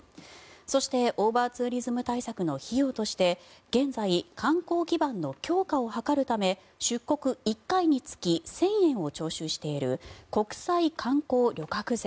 そしてオーバーツーリズム対策の費用として現在、観光基盤の強化を図るため出国１回につき１０００円を徴収している国際観光旅客税